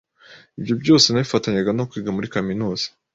ibyo byose nabifatanyaga no kwiga muri kaminuza.